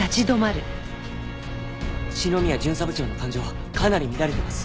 篠宮巡査部長の感情かなり乱れてます。